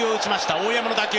大山の打球。